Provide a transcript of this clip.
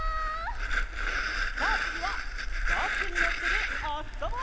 さあつぎは「バスにのって」であそぼう！